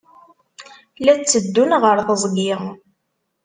La tteddun ɣer teẓgi.